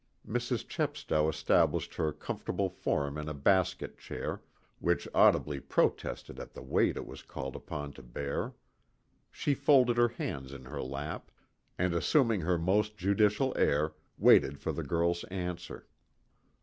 Mrs. Chepstow established her comfortable form in a basket chair, which audibly protested at the weight it was called upon to bear. She folded her hands in her lap, and, assuming her most judicial air, waited for the girl's answer.